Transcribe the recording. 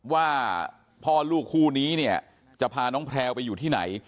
ว่าพ่อลูกคู่นี้เนี่ยจะพาน้องแพลวไปอยู่ที่ไหน